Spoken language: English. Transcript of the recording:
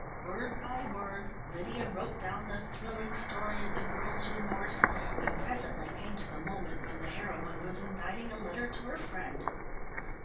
Word by word Lydia wrote down the thrilling story of the girl's remorse, and presently came to the moment when the heroine was inditing a letter to her friend.